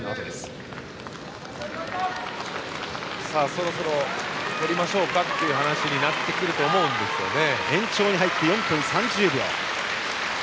そろそろ取りましょうかという話になってくると思いますね。